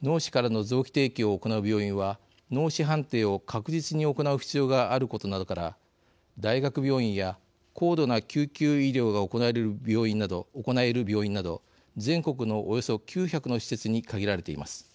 脳死からの臓器提供を行う病院は脳死判定を確実に行う必要があることなどから大学病院や高度な救急医療が行える病院など全国の、およそ９００の施設に限られています。